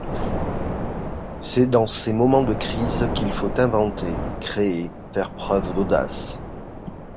C’est dans ces moments de crise qu’il faut inventer, créer, faire preuve d’audace.